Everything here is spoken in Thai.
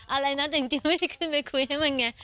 อะไรนะแต่จริงไม่ได้ขึ้นไปคุยให้มันไง